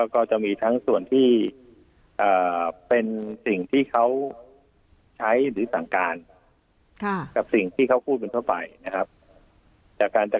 ก็จะมีทั้งส่วนที่เป็นสิ่งที่เขาใช้หรือสั่งการกับสิ่งที่เขาพูดกันทั่วไปนะครับ